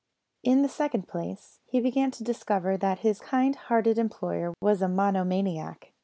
In the second place, he began to discover that his kind hearted employer was a monomaniac.